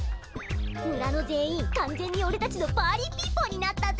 むらのぜんいんかんぜんにおれたちのパーリーピーポーになったぜ。